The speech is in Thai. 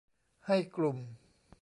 ให้กลุ่ม